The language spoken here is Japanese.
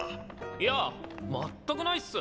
いや全くないっす。